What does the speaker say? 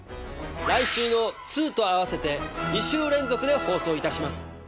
来週の『２』と合わせて２週連続で放送いたします。